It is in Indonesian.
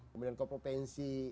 kemudian kopo pensi